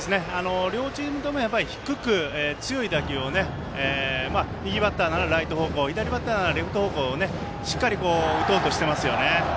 両チームとも低く強い打球を右バッターならライト方向左バッターならレフト方向にしっかり、打とうとしていますね。